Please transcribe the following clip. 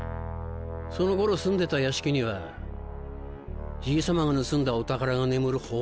その頃住んでた屋敷にはじいさまが盗んだお宝が眠る